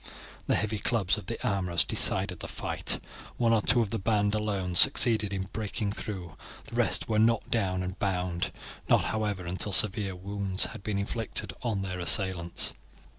The heavy clubs of the armourers decided the fight. One or two of the band alone succeeded in breaking through, the rest were knocked down and bound; not, however, until several severe wounds had been inflicted on their assailants.